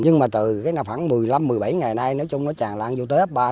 nhưng mà từ khoảng một mươi năm một mươi bảy ngày nay nói chung nó tràn lan vô tới sà phiên